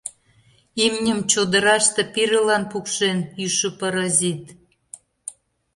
Имньым чодыраште пирылан пукшен, йӱшӧ паразит!